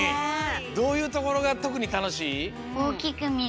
どういうところがとくにたのしい？